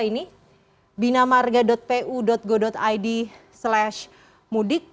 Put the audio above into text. ini binamarga pu go id slash mudik